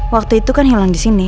waktu itu kan hilang di sini